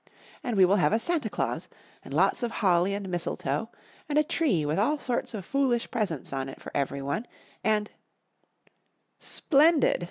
And we will have a Santa Claus, and lots of holly and mistletoe, and a tree with all sorts of foolish presents on it for every one, and " "Splendid!"